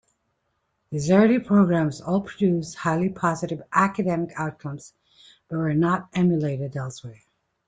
These early programs all produced highly positive academic outcomes, but were not emulated elsewhere.